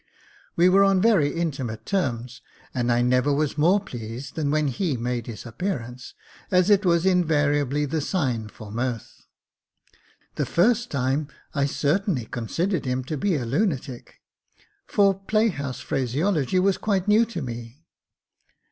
We were on very intimate terms, and I never was more pleased than when he made his appearance, as it was invariably the signal for mirth. The first time I certainly considered him to be a lunatic, for playhouse phraseology was quite new to me.